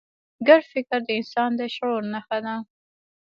ګډ فکر د انسان د شعور نښه ده.